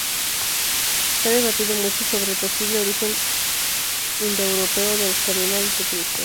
Se ha debatido mucho sobre el posible origen indoeuropeo de los cardinales etruscos.